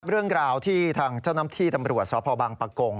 เรื่องราวที่ทางเจ้าหน้าที่ตำรวจสพบังปะกง